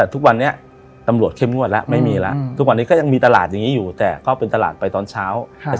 ใช่ของแบบผิดกฎหมายอ่ะใช่ใช่